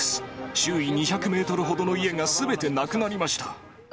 周囲２００メートルほどの家がすべてなくなりました。